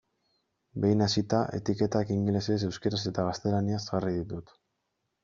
Behin hasita, etiketak ingelesez, euskaraz eta gaztelaniaz jarri ditut.